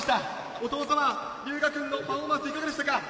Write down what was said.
お父様、龍芽くんのパフォーマンス、いかがでしたか？